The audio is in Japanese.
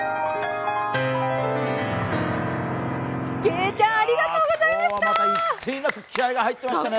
けいちゃん、ありがとうございました。